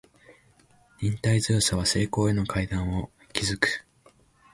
忍耐強さは成功への階段を築く